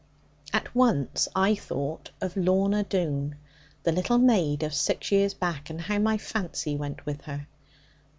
At once I thought of Lorna Doone, the little maid of six years back, and how my fancy went with her.